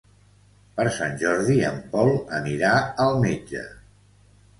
Per Sant Jordi en Pol anirà al metge.